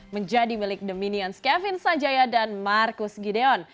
menjadi milik the minions kevin sanjaya dan marcus gideon